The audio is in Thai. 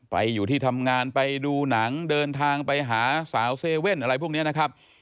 ไปอยู่ที่ทำงานไปดูหนังเดินทางไปหาสาวเซเว่นอะไรพวกนี้นะครับ